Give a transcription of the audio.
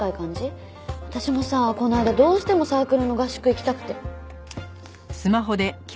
私もさこの間どうしてもサークルの合宿行きたくて。